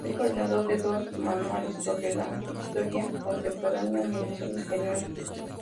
Es coordinador de dos manuales sobre la historia contemporánea universal y española.